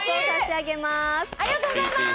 ありがとうございます。